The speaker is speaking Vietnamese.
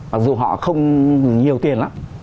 mặc dù họ không nhiều tiền lắm